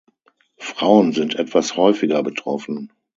Frauen sind etwas häufiger betroffen.